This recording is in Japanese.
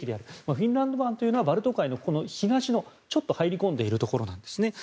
フィンランド湾というのはバルト海の東に入り込んでいるところですね。